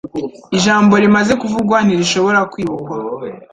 Ijambo rimaze kuvugwa ntirishobora kwibukwa.